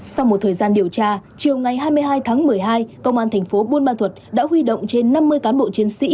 sau một thời gian điều tra chiều ngày hai mươi hai tháng một mươi hai công an tp bunma thuật đã huy động trên năm mươi cán bộ chiến sĩ